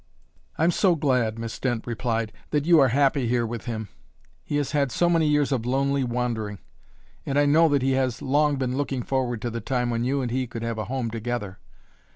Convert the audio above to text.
"I'm so glad," Miss Dent replied, "that you are happy here with him. He has had so many years of lonely wandering. And I know that he has long been looking forward to the time when you and he could have a home together.